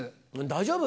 大丈夫？